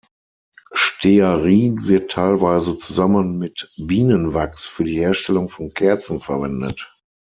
Stearin wird teilweise zusammen mit Bienenwachs für die Herstellung von Kerzen verwendet.